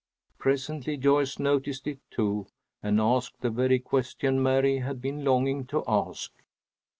Presently Joyce noticed it too, and asked the very question Mary had been longing to ask.